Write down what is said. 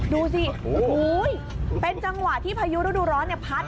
ดูสิโอ้โหเป็นจังหวะที่พายุฤดูร้อนพัด